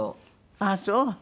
ああそう。